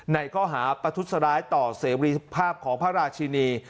ในข้อหาประทุษร้ายต่อเสรีภาพของพระราชินี